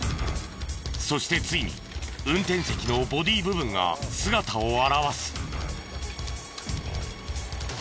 そしてついに運転席のボディー部分が姿を現す。